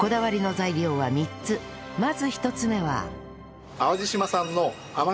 まず１つ目は